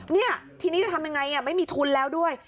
นี่ทีนี้จะทำยังไงไม่มีทุนแล้วด้วย